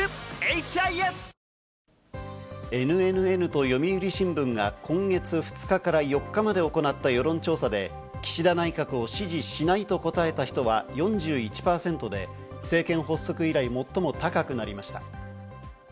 ＮＮＮと読売新聞が今月２日から４日まで行った世論調査で岸田内閣を支持しないと答えた人は４１％で、政権発足以来、最も高くなりました。